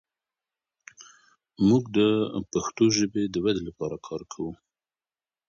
موږ د پښتو ژبې د ودې لپاره کار کوو.